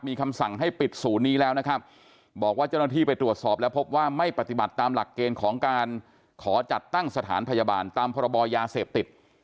มีคำสั่งให้ปิดศูนย์นี้แล้วนะครับบอกว่าเจ้าหน้าที่ไปตรวจสอบแล้วพบว่าไม่ปฏิบัติตามหลักเกณฑ์ของการขอจัดตั้งสถานพยาบาลตามพรบยาเสพติด